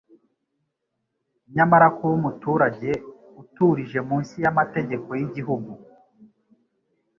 Nyamara kuba umuturage uturije munsi y'amategeko y'igihugu